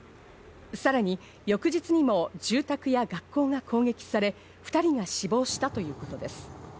さらに翌日にも住宅や学校が攻撃され、２人が死亡したということです。